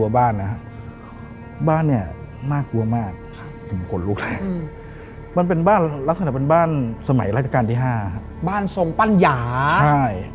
บ้านทรงปั่นหยา